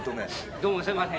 どうもすいません。